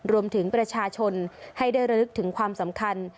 รวมถึงประชาชนให้ได้ระลึกถึงความสำคัญ